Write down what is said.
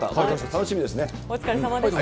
楽しみですね。